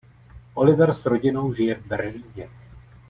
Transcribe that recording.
Oliver s rodinou žije v Berlíně.